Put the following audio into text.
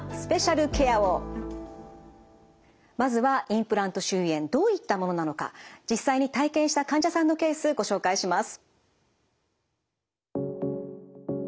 まずはインプラント周囲炎どういったものなのか実際に体験した患者さんのケースご紹介します。